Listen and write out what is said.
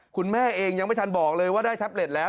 คุณแม่เองยังไม่ทันบอกเลยว่าได้แท็บเล็ตแล้ว